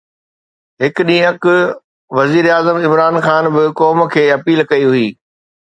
هڪ ڏينهن اڳ وزيراعظم عمران خان به قوم کي اپيل ڪئي هئي